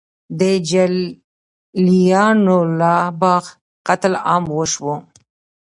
د جلیانواله باغ قتل عام وشو.